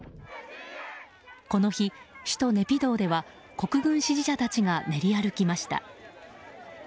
この日、首都ネピドーでは国軍支持者たちが練り歩きました。